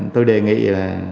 tôi đề nghị